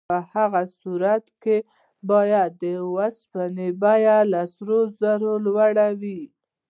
په هغه صورت کې باید د اوسپنې بیه له سرو زرو لوړه وای.